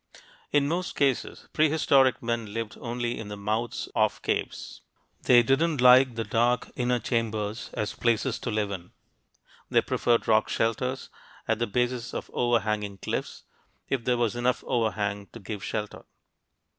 In most cases, prehistoric men lived only in the mouths of caves. They didn't like the dark inner chambers as places to live in. They preferred rock shelters, at the bases of overhanging cliffs, if there was enough overhang to give shelter.